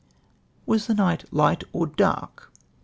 " M''as the night light or dark